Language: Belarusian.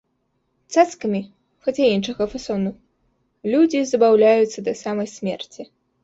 Цацкамі, хаця іншага фасону, людзі і забаўляюцца да самай смерці.